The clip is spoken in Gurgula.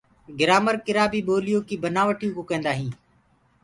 گرآمر ڪِرآ بي بوليو ڪيِ بنآوٽي ڪوُ ڪيندآ هينٚ۔